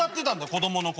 子供の頃。